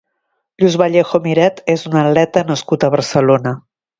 Lluis Vallejo Miret és un atleta nascut a Barcelona.